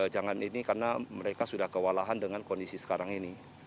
jangan ini karena mereka sudah kewalahan dengan kondisi sekarang ini